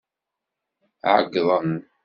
Ɛeyḍen.